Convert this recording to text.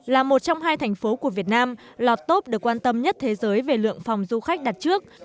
là một trong hai thành phố của việt nam lọt top được quan tâm nhất thế giới về lượng phòng du khách đặt trước